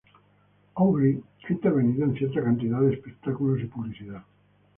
Aubrey ha intervenido en cierta cantidad de espectáculos y publicidad.